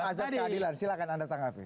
untuk azad keadilan silahkan anda tanggapi